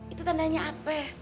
itu tandanya apa